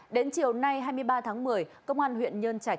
đến chiều nay hai mươi ba tháng một mươi công an huyện nhân trạch